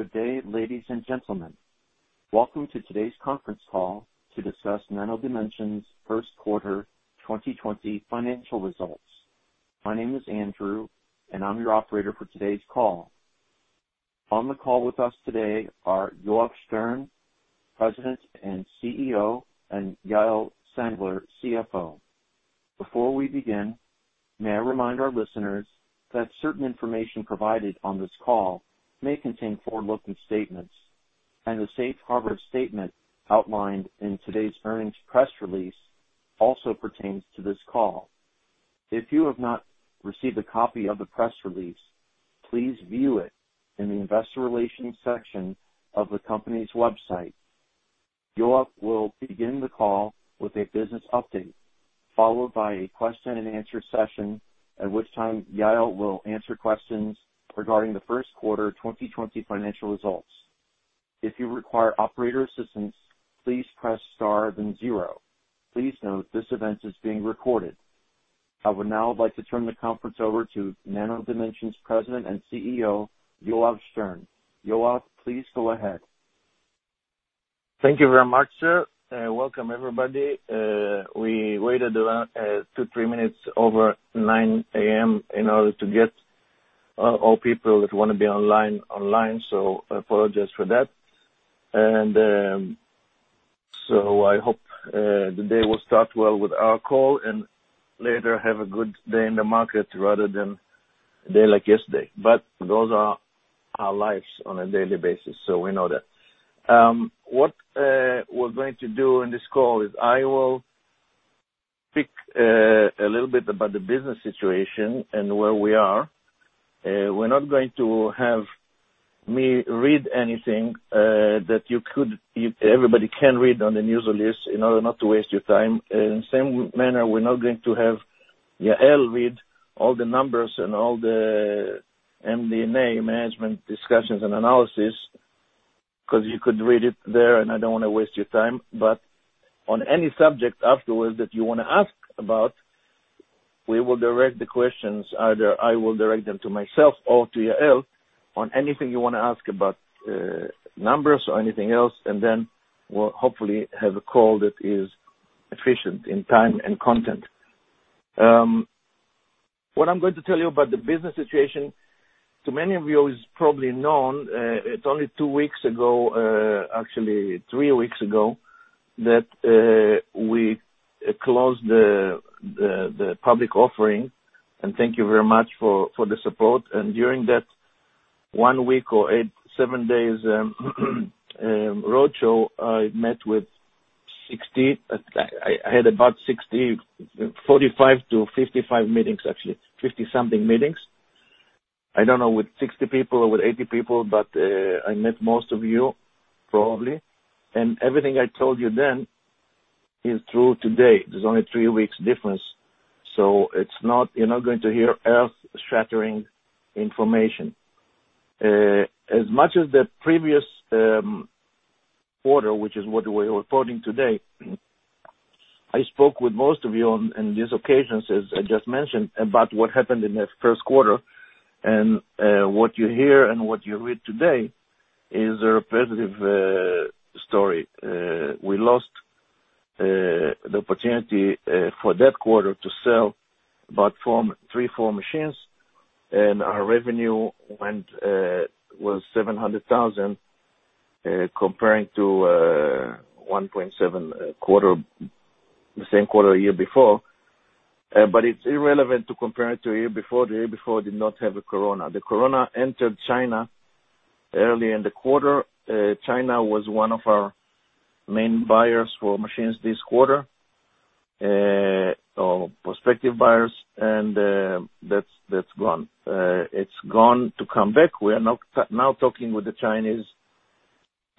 Good day, ladies and gentlemen. Welcome to today's conference call to discuss Nano Dimension's First Quarter 2020 Financial results. My name is Andrew, and I'm your operator for today's call. On the call with us today are Yoav Stern, President and CEO, and Yael Sandler, CFO. Before we begin, may I remind our listeners that certain information provided on this call may contain forward-looking statements, and the safe harbor statement outlined in today's earnings press release also pertains to this call. If you have not received a copy of the press release, please view it in the Investor Relations section of the company's website. Yoav will begin the call with a business update, followed by a question and answer session, at which time Yael will answer questions regarding the first quarter 2020 financial results. If you require operator assistance, please press star then zero. Please note, this event is being recorded. I would now like to turn the conference over to Nano Dimension's President and CEO, Yoav Stern. Yoav, please go ahead. Thank you very much, sir, and welcome, everybody. We waited around 2, 3 minutes over 9:00 A.M. in order to get all people that want to be online, online, so I apologize for that. So I hope the day will start well with our call and later have a good day in the market rather than a day like yesterday. But those are our lives on a daily basis, so we know that. What we're going to do in this call is I will speak a little bit about the business situation and where we are. We're not going to have me read anything that everybody can read on the news list in order not to waste your time. In the same manner, we're not going to have Yael read all the numbers and all the MD&A, Management's Discussion and Analysis, because you could read it there, and I don't want to waste your time. But on any subject afterwards that you want to ask about, we will direct the questions. Either I will direct them to myself or to Yael on anything you want to ask about, numbers or anything else, and then we'll hopefully have a call that is efficient in time and content. What I'm going to tell you about the business situation, to many of you, is probably known. It's only 2 weeks ago, actually 3 weeks ago, that we closed the public offering, and thank you very much for the support. During that one week or a seven-day roadshow, I met with 60. I had about 60, 45-55 meetings, actually 50-something meetings. I don't know, with 60 people or with 80 people, but I met most of you, probably. And everything I told you then is true today. There's only three weeks difference, so it's not-you're not going to hear earth-shattering information. As much as the previous quarter, which is what we're reporting today, I spoke with most of you on, in these occasions, as I just mentioned, about what happened in the first quarter. And what you hear and what you read today is a repetitive story. We lost the opportunity for that quarter to sell but 3-4 machines, and our revenue was $700,000, comparing to $1.7 million the same quarter a year before. But it's irrelevant to compare it to a year before. The year before did not have a Corona. The Corona entered China early in the quarter. China was one of our main buyers for machines this quarter, or prospective buyers, and that's gone. It's gone to come back. We are now talking with the Chinese,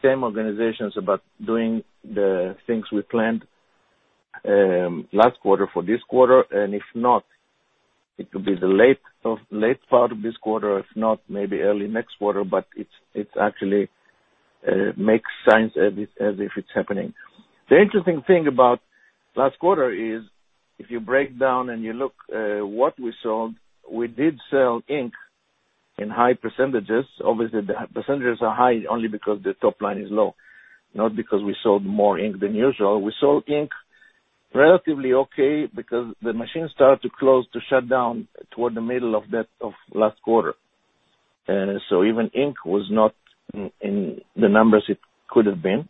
same organizations, about doing the things we planned last quarter for this quarter, and if not, it will be the late part of this quarter. If not, maybe early next quarter, but it actually makes sense as if it's happening. The interesting thing about last quarter is, if you break down and you look, what we sold, we did sell ink in high percentages. Obviously, the percentages are high only because the top line is low, not because we sold more ink than usual. We sold ink relatively okay because the machines started to close, to shut down toward the middle of that last quarter. So even ink was not in the numbers it could have been.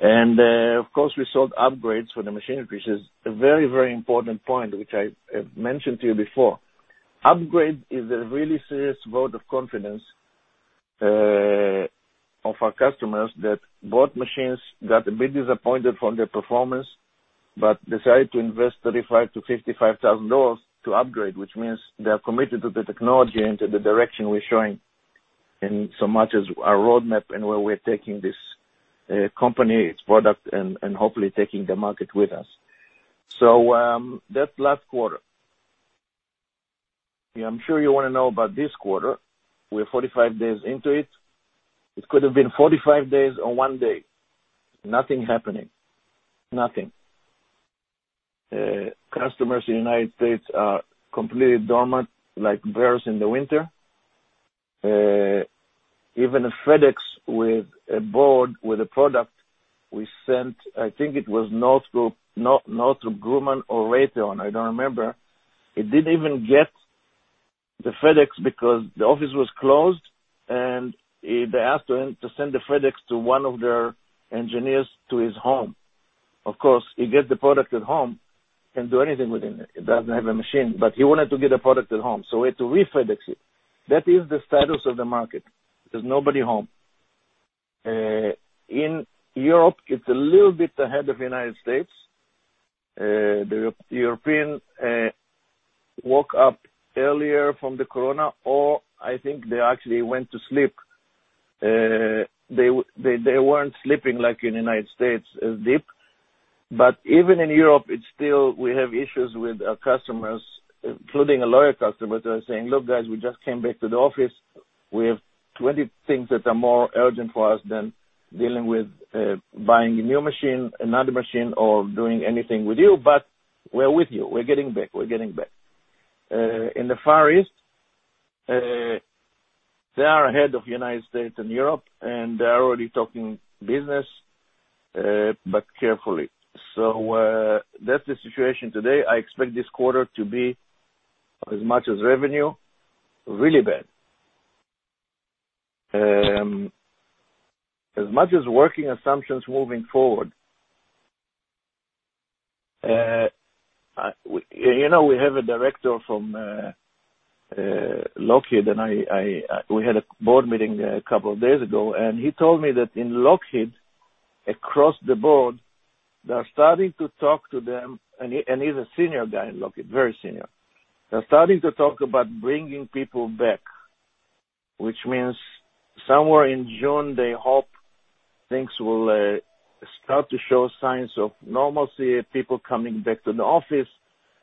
And, of course, we sold upgrades for the machinery, which is a very, very important point, which I mentioned to you before. Upgrade is a really serious vote of confidence of our customers that bought machines, got a bit disappointed from their performance, but decided to invest $35,000-$55,000 to upgrade, which means they are committed to the technology and to the direction we're showing in so much as our roadmap and where we're taking this company, its product, and and hopefully taking the market with us. So, that's last quarter. I'm sure you want to know about this quarter. We're 45 days into it. It could have been 45 days or one day. Nothing happening. Nothing.... customers in the United States are completely dormant, like bears in the winter. Even a FedEx with a board, with a product we sent, I think it was Northrop Grumman or Raytheon, I don't remember. It didn't even get the FedEx because the office was closed, and they asked him to send the FedEx to one of their engineers to his home. Of course, he gets the product at home, can't do anything with it. He doesn't have a machine, but he wanted to get a product at home, so we had to re-FedEx it. That is the status of the market. There's nobody home. In Europe, it's a little bit ahead of the United States. The Europeans woke up earlier from the Corona, or I think they actually went to sleep. They weren't sleeping like in the United States, as deep. But even in Europe, it's still. We have issues with our customers, including a large customer. They're saying, "Look, guys, we just came back to the office. We have 20 things that are more urgent for us than dealing with buying a new machine, another machine, or doing anything with you, but we're with you. We're getting back, we're getting back. In the Far East, they are ahead of United States and Europe, and they're already talking business, but carefully. So, that's the situation today. I expect this quarter to be as much as revenue, really bad. As much as working assumptions moving forward, you know, we have a director from Lockheed, and we had a board meeting a couple of days ago, and he told me that in Lockheed, across the board, they are starting to talk to them, and he's a senior guy in Lockheed, very senior. They're starting to talk about bringing people back, which means somewhere in June, they hope things will start to show signs of normalcy, people coming back to the office,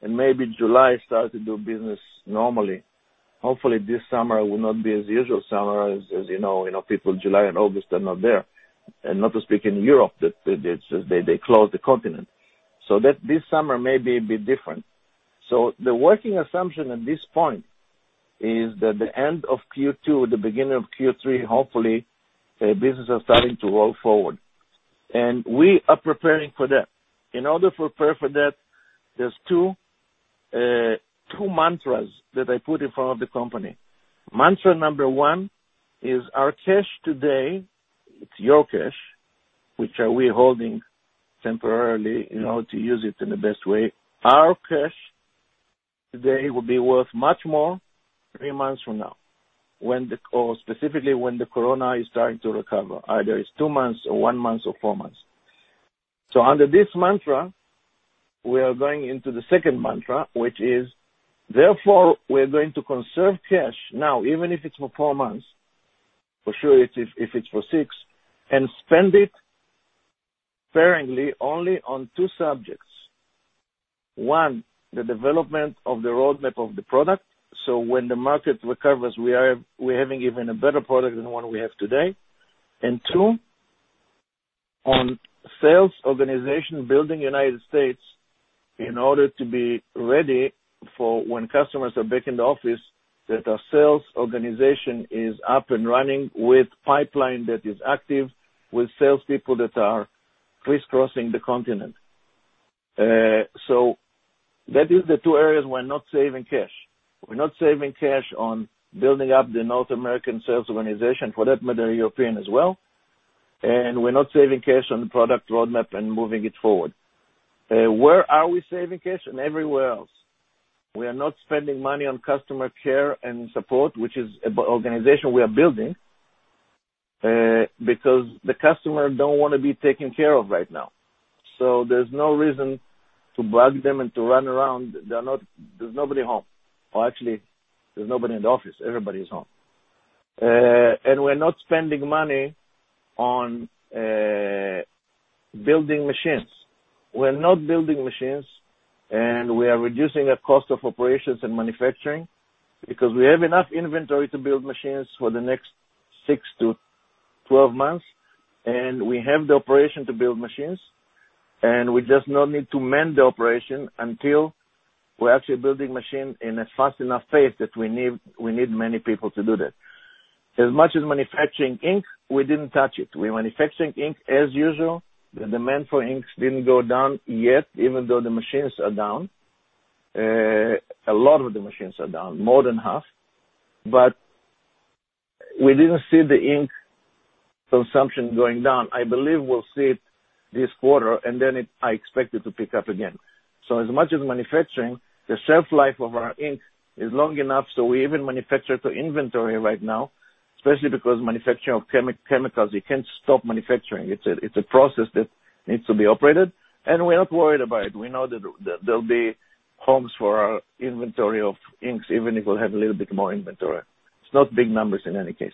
and maybe July start to do business normally. Hopefully, this summer will not be as usual summer as, as you know, you know, people, July and August are not there. Not to speak in Europe, that it's they close the continent. So that this summer may be a bit different. So the working assumption at this point is that the end of Q2, the beginning of Q3, hopefully, businesses are starting to roll forward, and we are preparing for that. In order to prepare for that, there's two mantras that I put in front of the company. Mantra number one is our cash today; it's your cash, which we are holding temporarily in order to use it in the best way. Our cash today will be worth much more three months from now, when the, or specifically when the Corona is starting to recover, either it's two months or one month or four months. So under this mantra, we are going into the second mantra, which is, therefore, we're going to conserve cash now, even if it's for four months, for sure, if, if it's for six, and spend it sparingly only on two subjects. One, the development of the roadmap of the product, so when the market recovers, we are, we're having even a better product than the one we have today. And two, on sales organization building United States in order to be ready for when customers are back in the office, that our sales organization is up and running with pipeline that is active, with sales people that are crisscrossing the continent. So that is the two areas we're not saving cash. We're not saving cash on building up the North American sales organization, for that matter, European as well, and we're not saving cash on the product roadmap and moving it forward. Where are we saving cash? On everywhere else. We are not spending money on customer care and support, which is a organization we are building, because the customer don't want to be taken care of right now. So there's no reason to bug them and to run around. They're not, there's nobody home, or actually, there's nobody in the office. Everybody is home. And we're not spending money on building machines. We're not building machines, and we are reducing our cost of operations and manufacturing because we have enough inventory to build machines for the next 6 to 12 months, and we have the operation to build machines, and we just don't need to mend the operation until we're actually building machines in a fast enough pace that we need, we need many people to do that. As much as manufacturing ink, we didn't touch it. We're manufacturing ink as usual. The demand for inks didn't go down yet, even though the machines are down. A lot of the machines are down, more than half, but we didn't see the ink consumption going down. I believe we'll see it this quarter, and then it, I expect it to pick up again. So as much as manufacturing, the shelf life of our ink is long enough, so we even manufacture to inventory right now, especially because manufacturing of chemicals, you can't stop manufacturing. It's a process that needs to be operated, and we're not worried about it. We know that there'll be homes for our inventory of inks, even if we'll have a little bit more inventory. It's not big numbers in any case.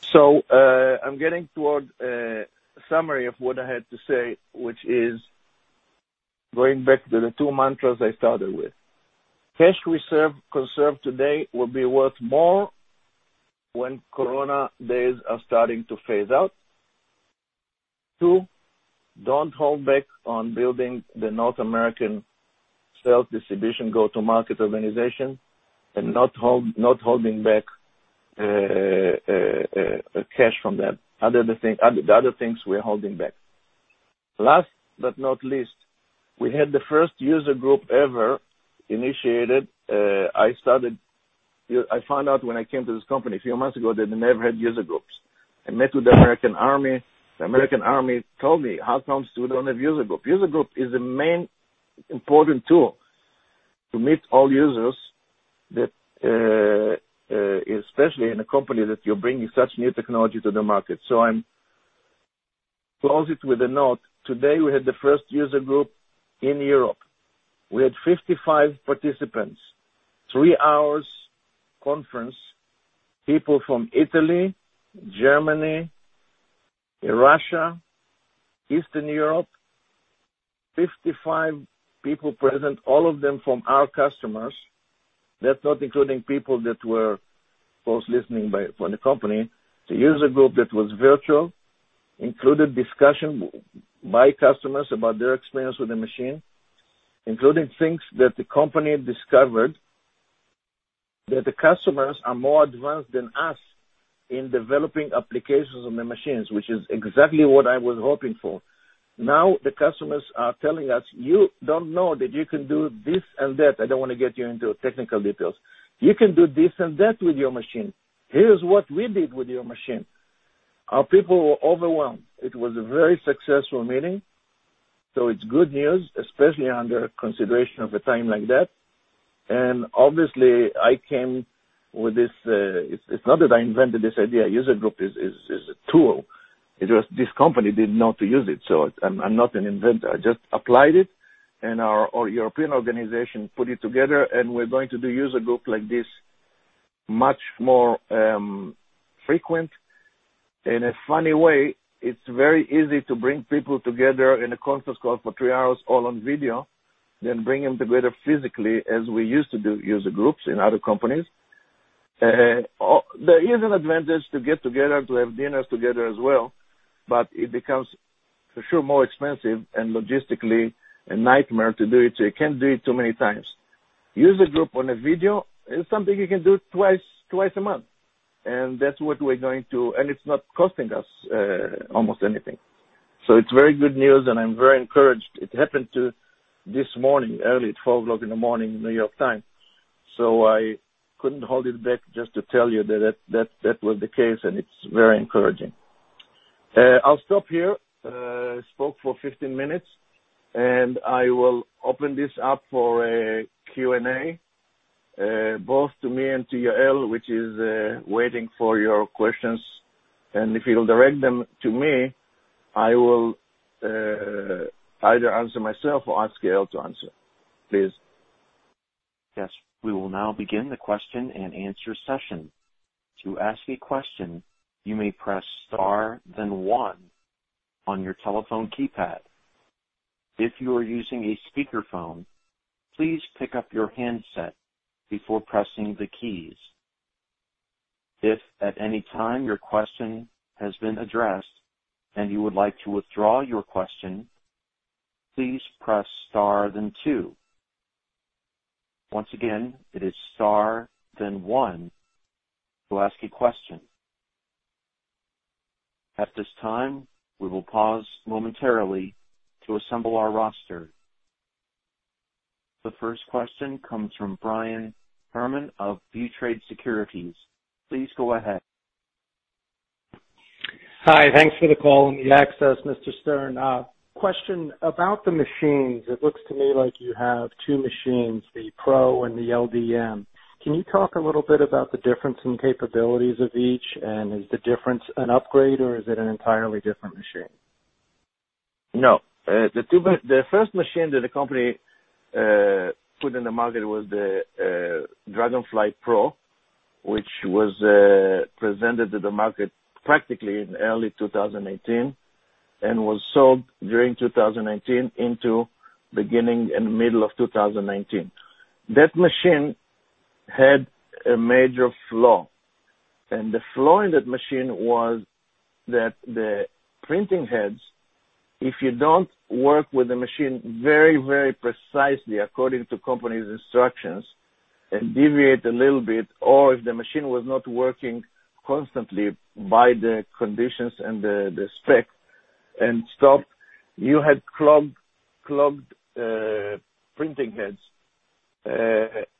So, I'm getting towards a summary of what I had to say, which is going back to the two mantras I started with. Cash reserve, conserved today will be worth more when Corona days are starting to phase out. Two, don't hold back on building the North American sales distribution, go-to-market organization, and not hold, not holding back cash from that. The other things we're holding back. Last but not least, we had the first user group ever initiated. I started, I found out when I came to this company a few months ago, that they never had user groups. I met with the American Army. The American Army told me: How come you don't have user group? User group is the main important tool to meet all users that, especially in a company, that you're bringing such new technology to the market. So I closed it with a note. Today, we had the first user group in Europe. We had 55 participants, three hours conference, people from Italy, Germany, Russia, Eastern Europe. 55 people present, all of them from our customers. That's not including people that were post listening by from the company. The User Group that was virtual included discussion by customers about their experience with the machine, including things that the company discovered, that the customers are more advanced than us in developing applications on the machines, which is exactly what I was hoping for. Now, the customers are telling us: You don't know that you can do this and that. I don't want to get you into technical details. You can do this and that with your machine. Here's what we did with your machine. Our people were overwhelmed. It was a very successful meeting, so it's good news, especially under consideration of a time like that. And obviously, I came with this; it's not that I invented this idea. A User Group is a tool. It was this company didn't know to use it, so I'm not an inventor. I just applied it, and our European organization put it together, and we're going to do user group like this much more frequent. In a funny way, it's very easy to bring people together in a conference call for three hours, all on video, than bring them together physically, as we used to do user groups in other companies. There is an advantage to get together, to have dinners together as well, but it becomes, for sure, more expensive and logistically a nightmare to do it, so you can't do it too many times. User group on a video is something you can do twice, twice a month, and that's what we're going to... And it's not costing us almost anything. So it's very good news, and I'm very encouraged. It happened to this morning, early, 12:00 A.M., New York time, so I couldn't hold it back just to tell you that that was the case, and it's very encouraging. I'll stop here. Spoke for 15 minutes, and I will open this up for a Q&A, both to me and to Yael, which is waiting for your questions. And if you'll direct them to me, I will either answer myself or ask Yael to answer. Please. Yes. We will now begin the question and answer session. To ask a question, you may press star, then one on your telephone keypad. If you are using a speakerphone, please pick up your handset before pressing the keys. If at any time your question has been addressed and you would like to withdraw your question, please press star, then two. Once again, it is star, then one to ask a question. At this time, we will pause momentarily to assemble our roster. The first question comes from Brian Herman of ViewTrade Securities. Please go ahead. Hi, thanks for the call and the access, Mr. Stern. Question about the machines. It looks to me like you have two machines, the Pro and the LDM. Can you talk a little bit about the difference in capabilities of each, and is the difference an upgrade, or is it an entirely different machine? No. The first machine that the company put in the market was the DragonFly Pro, which was presented to the market practically in early 2018 and was sold during 2018 into beginning and middle of 2019. That machine had a major flaw, and the flaw in that machine was that the printing heads, if you don't work with the machine very, very precisely according to company's instructions and deviate a little bit, or if the machine was not working constantly by the conditions and the spec and stopped, you had clogged printing heads,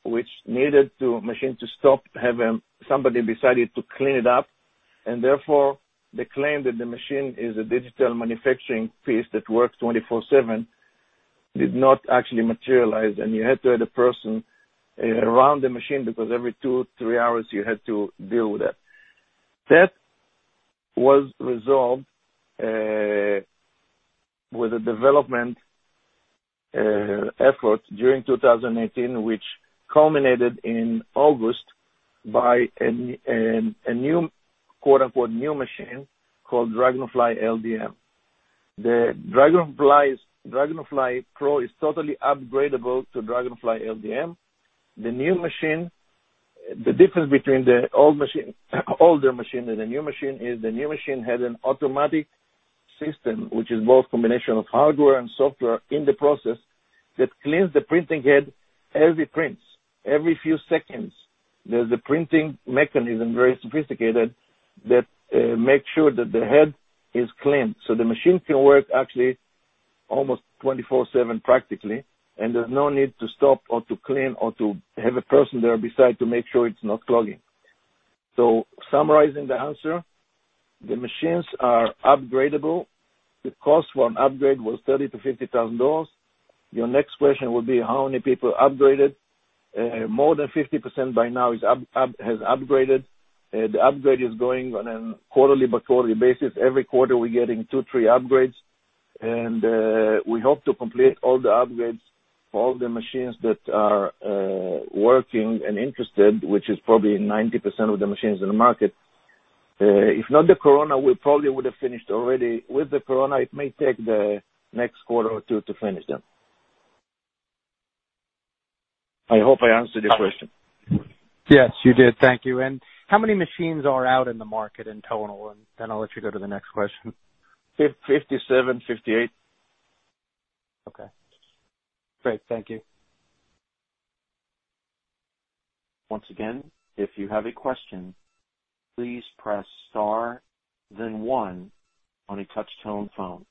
which needed the machine to stop, have somebody decided to clean it up, and therefore, the claim that the machine is a digital manufacturing piece that works 24/7 did not actually materialize. You had to have the person around the machine, because every two, three hours you had to deal with that. That was resolved with development efforts during 2018, which culminated in August by a new, quote, unquote, "new machine" called DragonFly LDM. The DragonFly Pro is totally upgradable to DragonFly LDM. The new machine, the difference between the old machine, older machine and the new machine is the new machine has an automatic system, which is both combination of hardware and software in the process, that cleans the print head as it prints. Every few seconds, there's a printing mechanism, very sophisticated, that makes sure that the head is clean. So the machine can work actually almost 24/7, practically, and there's no need to stop or to clean or to have a person there beside to make sure it's not clogging. So summarizing the answer, the machines are upgradable. The cost for an upgrade was $30,000-$50,000. Your next question would be: How many people upgraded? More than 50% by now has upgraded, and the upgrade is going on a quarterly by quarterly basis. Every quarter, we're getting 2-3 upgrades, and we hope to complete all the upgrades for all the machines that are working and interested, which is probably 90% of the machines in the market. If not the Corona, we probably would have finished already. With the Corona, it may take the next quarter or two to finish them. I hope I answered your question. Yes, you did. Thank you. How many machines are out in the market in total? Then I'll let you go to the next question. Fifty-seven, fifty-eight. Okay. Great. Thank you. Once again, if you have a question, please press star then one on a touchtone phone.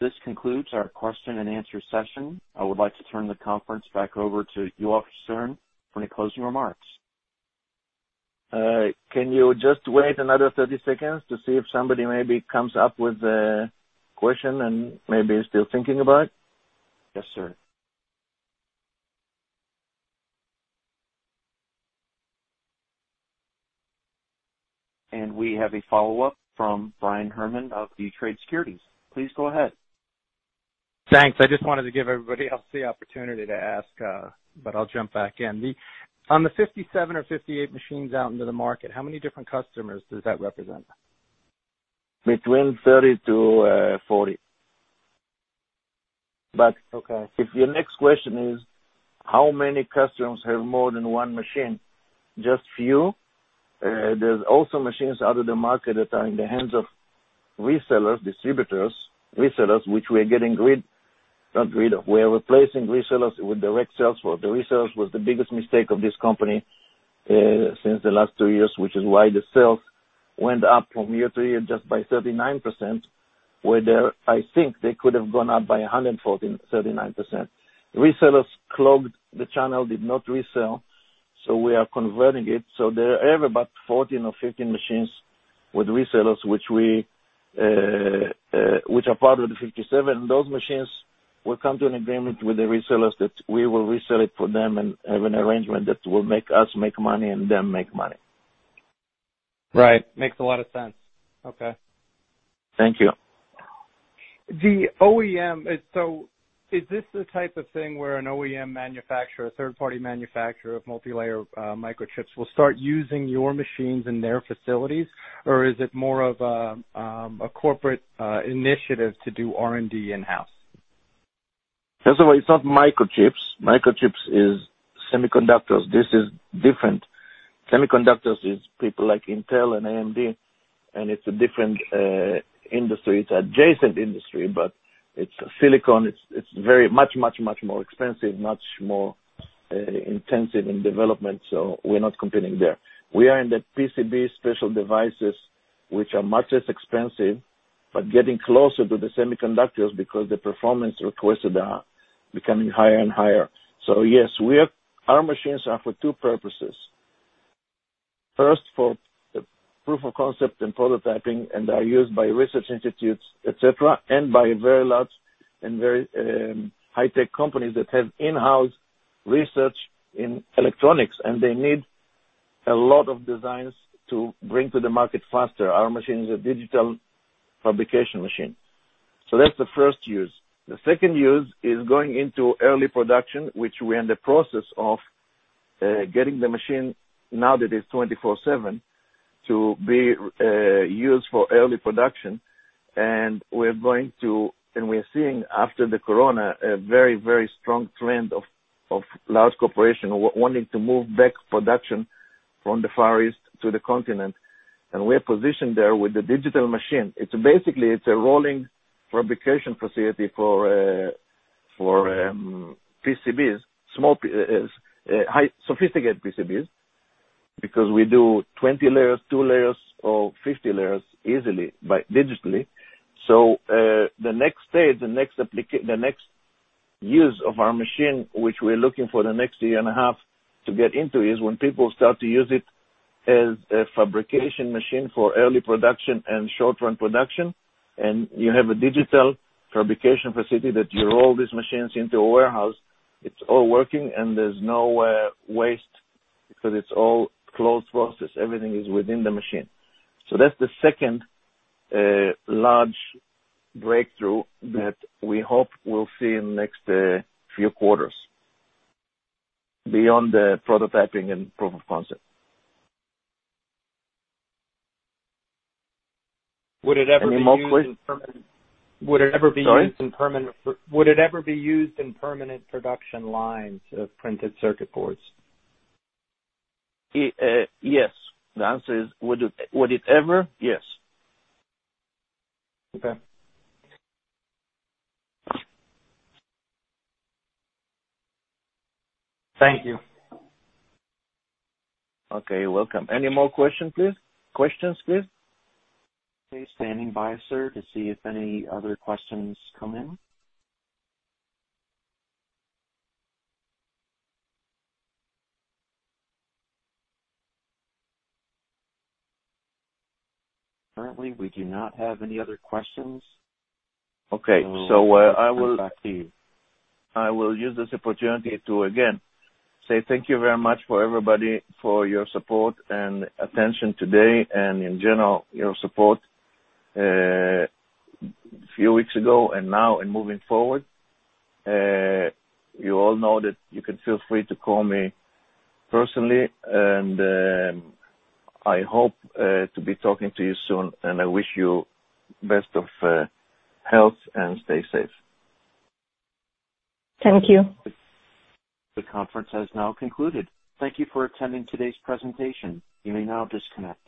This concludes our question and answer session. I would like to turn the conference back over to Yoav Stern for any closing remarks. Can you just wait another 30 seconds to see if somebody maybe comes up with a question and maybe is still thinking about it? Yes, sir. We have a follow-up from Brian Herman of ViewTrade Securities. Please go ahead. Thanks. I just wanted to give everybody else the opportunity to ask, but I'll jump back in. On the 57 or 58 machines out into the market, how many different customers does that represent? Between 30-40. But- Okay. If your next question is, how many customers have more than one machine? Just a few. There's also machines out of the market that are in the hands of resellers, distributors, resellers, which we are getting rid, not rid of. We are replacing resellers with direct sales. For the resellers was the biggest mistake of this company, since the last two years, which is why the sales went up from year to year, just by 39%, whereas I think they could have gone up by 140, 39%. Resellers clogged the channel, did not resell, so we are converting it. So there are about 14 or 15 machines with resellers, which we, which are part of the 57. Those machines will come to an agreement with the resellers that we will resell it for them and have an arrangement that will make us make money and them make money. Right. Makes a lot of sense. Okay. Thank you. So is this the type of thing where an OEM manufacturer, a third-party manufacturer of multilayer microchips, will start using your machines in their facilities? Or is it more of a corporate initiative to do R&D in-house? First of all, it's not microchips. Microchips is semiconductors. This is different. Semiconductors is people like Intel and AMD, and it's a different, industry. It's adjacent industry, but it's silicon. It's very much, much, much more expensive, much more, intensive in development, so we're not competing there. We are in the PCB special devices, which are much less expensive, but getting closer to the semiconductors because the performance requested are becoming higher and higher. So yes, our machines are for two purposes. First, for the proof of concept and prototyping, and are used by research institutes, et cetera, and by very large and very, high-tech companies that have in-house research in electronics, and they need a lot of designs to bring to the market faster. Our machine is a digital fabrication machine. So that's the first use. The second use is going into early production, which we're in the process of getting the machine, now that it's 24/7, to be used for early production, and we're going to. We're seeing, after the Corona, a very, very strong trend of large corporations wanting to move back production from the Far East to the continent. We're positioned there with the digital machine. It's basically a rolling fabrication facility for PCBs, small, highly sophisticated PCBs, because we do 20 layers, 2 layers or 50 layers easily by digitally. So, the next stage, the next use of our machine, which we're looking for the next year and a half to get into, is when people start to use it as a fabrication machine for early production and short-run production. You have a digital fabrication facility that you roll these machines into a warehouse, it's all working, and there's no waste because it's all closed process. Everything is within the machine. So that's the second large breakthrough that we hope we'll see in the next few quarters, beyond the prototyping and proof of concept. Would it ever be- Any more questions? Would it ever be used in permanent- Sorry. Would it ever be used in permanent production lines of printed circuit boards? Yes. The answer is, would it, would it ever? Yes. Okay. Thank you. Okay, you're welcome. Any more question, please? Questions, please. Please stand by, sir, to see if any other questions come in. Currently, we do not have any other questions. Okay. So, I will- Back to you. I will use this opportunity to again say thank you very much for everybody, for your support and attention today and in general, your support, few weeks ago and now and moving forward. You all know that you can feel free to call me personally, and, I hope, to be talking to you soon, and I wish you best of health and stay safe. Thank you. The conference has now concluded. Thank you for attending today's presentation. You may now disconnect.